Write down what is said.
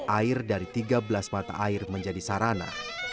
air dari tiga belas mata air menjadi sarana